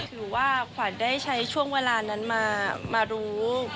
หรือว่าขวัญได้ใช้ช่วงเวลานั้นมารู้